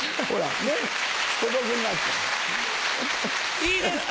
いいですか？